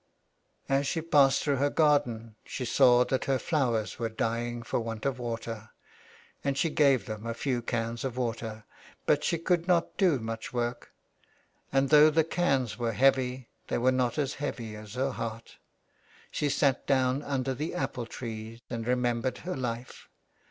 As she passed through her garden she saw that her flowers were dying for want of water, and she gave them a few cans of water ; but she could not do much work, and though the cans were heavy, they were not as heavy as her heart. She sat down under the apple tree and remembered her life.